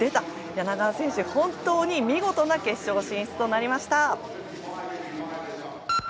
柳川選手、本当に見事な決勝進出となりました。